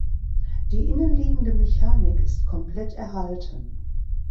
Die innenliegende Mechanik ist komplett erhalten.